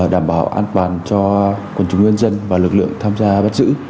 đảm bảo an toàn cho quân chủ nguyên dân và lực lượng tham gia bắt giữ